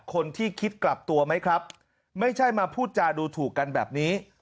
คนที่คิดกลับตัวไหมครับไม่ใช่มาพูดจาดูถูกกันแบบนี้